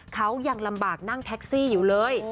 เขายังลำบากนั่งแท็กซี่อยู่เลย